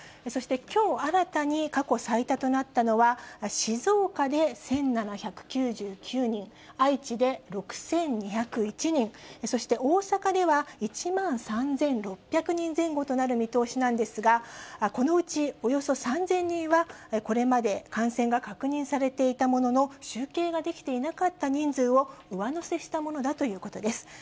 そして、きょう新たに過去最多となったのは、静岡県で１７９９人、愛知で６２０１人、そして大阪では１万３６００人前後となる見通しなんですが、このうち、およそ３０００人は、これまで感染が確認されていたものの、集計ができていなかった人数を上乗せしたものだということです。